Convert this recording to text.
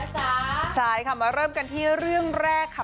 ล้านไปแล้วนะจ๊ะใช่ค่ะมาเริ่มกันที่เรื่องแรกค่ะ